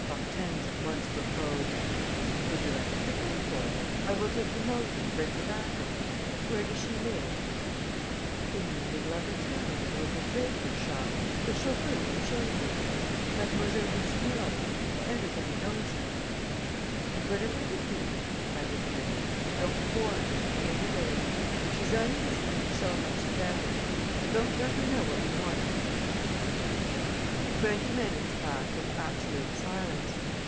Hortense at once proposed: "Would you like me to go for her? I will take the motor and bring her back with me. Where does she live?" "In the middle of the town, at a little draper's shop. The chauffeur will show you. Mlle. Boussignol: everybody knows her...." "And, whatever you do," added Rénine, "don't warn her in any way. If she's uneasy, so much the better. But don't let her know what we want with her." Twenty minutes passed in absolute silence.